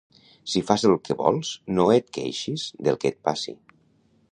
Si fas el que vols no et queixis del que et passi.